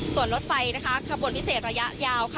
ส่วนรถไฟขบวนพิเศษระยะยาว